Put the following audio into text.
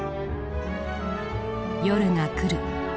夜が来る。